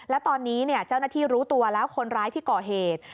และตอนนี้เจ้าหน้าที่รู้ตัวแล้วคนร้ายที่ก่อเหตุ